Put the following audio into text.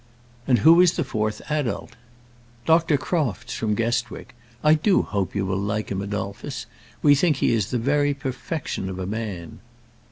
"And who is the fourth adult?" "Dr. Crofts, from Guestwick. I do hope you will like him, Adolphus. We think he is the very perfection of a man."